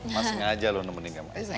mas ngajal lo nemenin ke kamar